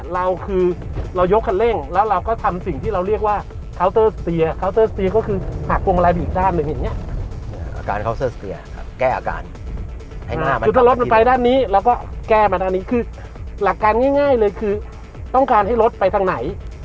หลักการผลักง่ายคือต้องการให้รถไปทางไหน